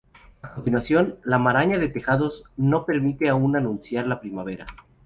A continuación, la maraña de tejados no permite aún anunciar la primavera.